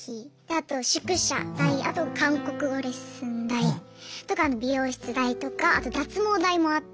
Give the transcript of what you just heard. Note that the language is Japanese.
あと宿舎代あと韓国語レッスン代とか美容室代とかあと脱毛代もあって。